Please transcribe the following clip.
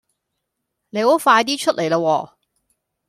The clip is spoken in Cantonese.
你好快啲出嚟啦喎